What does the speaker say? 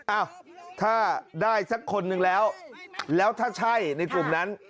อ้าวถ้าได้สักคนนึงแล้วแล้วถ้าใช่ในกลุ่มนั้น